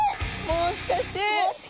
もしかして。